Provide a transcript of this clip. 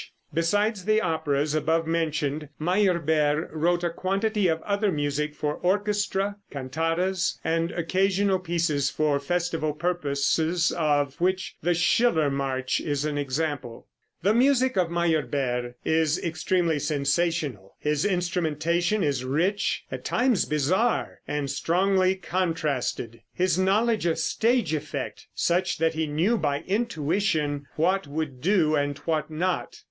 Besides the operas above mentioned Meyerbeer wrote a quantity of other music for orchestra, cantatas, and occasional pieces for festival purposes, of which the "Schiller March" is an example. The music of Meyerbeer is extremely sensational. His instrumentation is rich, at times bizarre, and strongly contrasted. His knowledge of stage effect, such that he knew by intuition what would do, and what not.